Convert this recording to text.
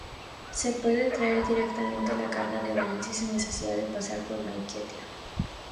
Se puede traer directamente la carga a Valencia sin necesidad de pasar por Maiquetía.